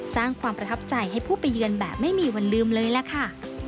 สร้างความประทับใจให้ผู้ไปเยือนแบบไม่มีวันลืมเลยล่ะค่ะ